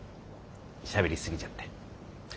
しゃべり過ぎちゃって。